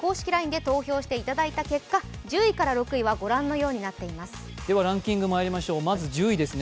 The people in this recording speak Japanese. ＬＩＮＥで投票していただいた結果１０位から６位はご覧のようになっています。